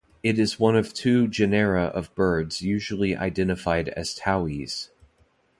It is one of two genera of birds usually identified as towhees.